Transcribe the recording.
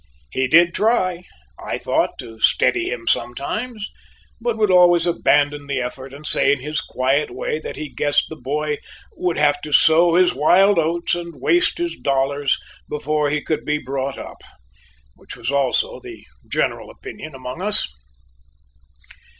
He did try, I thought, to steady him sometimes, but would always abandon the effort and say in his quiet way that he guessed the boy would have to sow his wild oats and waste his dollars before he could be brought up; which was also the general opinion among us.